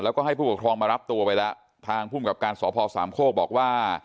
แล้วก็ให้ผู้ปกครองมารับตัวไปแล้วทางภูมิกับการสพสามโคกบอกว่า